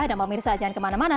dan mau mirsa jangan kemana mana